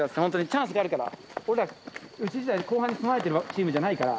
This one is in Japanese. チャンスあるから、俺ら、うちは後半に備えてるチームじゃないから。